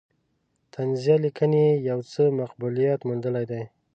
طنزیه لیکنې یې یو څه مقبولیت موندلی دی.